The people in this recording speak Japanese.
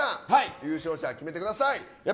優勝者を決めてください。